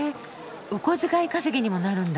お小遣い稼ぎにもなるんだ。